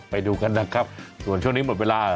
ไปดูกันนะครับส่วนช่วงนี้หมดเวลา